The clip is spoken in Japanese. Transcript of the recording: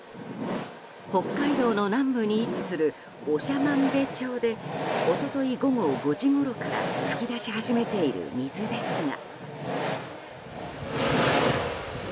北海道の南部に位置する長万部町で一昨日午後５時ごろから噴き出し始めている水ですが。